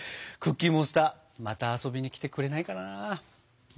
クッキーモンスターまた遊びに来てくれないかな。